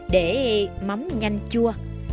để mắm nhanh chua